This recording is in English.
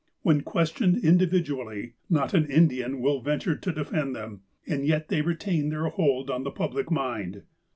When questioned individually, not an Indian will venture to defend them, and yet they retain their hold of the public mind.